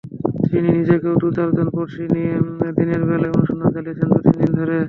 তিনি নিজেও দু-চারজন পড়শি নিয়ে দিনের বেলায় অনুসন্ধান চালিয়েছিলেন দু-তিন দিন ধরে।